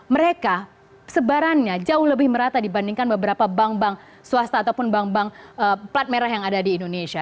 mereka sebarannya jauh lebih merata dibandingkan beberapa bank bank swasta ataupun bank bank plat merah yang ada di indonesia